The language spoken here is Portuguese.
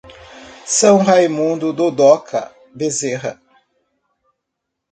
São Raimundo do Doca Bezerra